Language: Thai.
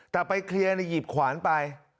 แต่ไปเคลียร์หยิบขวานไป